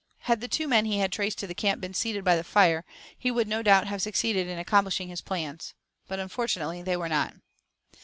Had the two men he had traced to the camp been seated by the fire, he would no doubt have succeeded in accomplishing his plans. But unfortunately they were not.